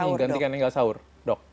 menggantikan yang nggak saur dok